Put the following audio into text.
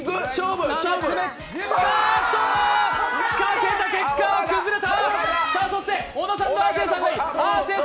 仕掛けた結果崩れた。